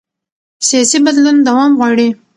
سیاسي بدلون دوام غواړي